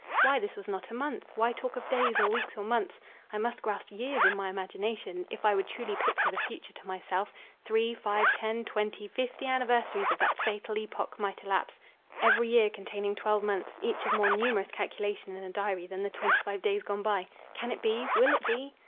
Why this was not a month!—Why talk of days—or weeks—or months—I must grasp years in my imagination, if I would truly picture the future to myself—three, five, ten, twenty, fifty anniversaries of that fatal epoch might elapse—every year containing twelve months, each of more numerous calculation in a diary, than the twenty five days gone by—Can it be? Will it be?